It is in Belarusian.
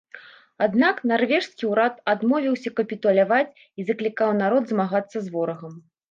Аднак нарвежскі ўрад адмовіўся капітуляваць і заклікаў народ змагацца з ворагам.